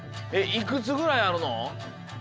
いくつぐらいあるの？